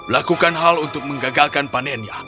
lakukan hal untuk menggagalkan panennya